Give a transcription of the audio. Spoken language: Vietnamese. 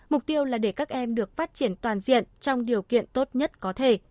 mục tiêu là để các em được phát triển toàn diện trong điều kiện tốt nhất có thể